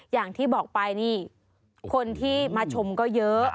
อย่างที่บอกไปนี่คนที่มาชมก็เยอะ